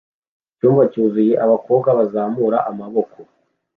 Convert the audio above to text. Icyumba cyuzuye abakobwa bazamura amaboko